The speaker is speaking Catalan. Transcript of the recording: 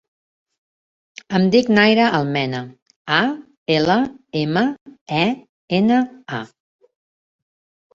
Em dic Naira Almena: a, ela, ema, e, ena, a.